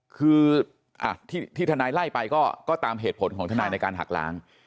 คือที่ทนายไล่ไปก็ตามเหตุผลของทนายในการหักล้าง